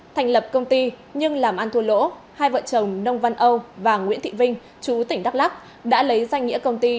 thành lập công ty nhưng làm ăn thua lỗ hai vợ chồng nông văn âu và nguyễn thị vinh chú tỉnh đắk lắc đã lấy danh nghĩa công ty